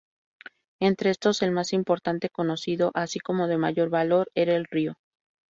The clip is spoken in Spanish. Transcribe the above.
Entre estos, el más importante, conocido así como de mayor valor, era el Ryō.